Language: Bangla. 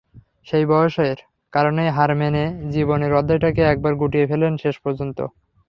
সেই বয়সের কারণেই হার মেনে জীবনের অধ্যায়টাকে একেবারে গুটিয়ে ফেললেন শেষ পর্যন্ত।